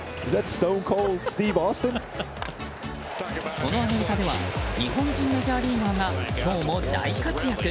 そのアメリカでは日本人メジャーリーガーが今日も大活躍。